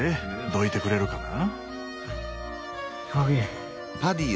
どいてくれるかな？